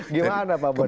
gimana pak bondan